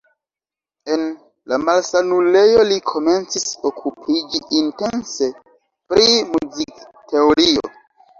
En la malsanulejo li komencis okupiĝi intense pri muzikteorio.